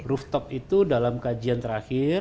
rooftop itu dalam kajian terakhir